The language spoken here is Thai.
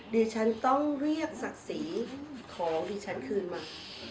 ดิฉันต้องเรียกศักดิ์ศรีของดิฉันคืนมา